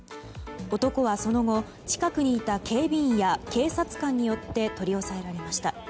男はその後、近くにいた警備員や警察官によって取り押さえられました。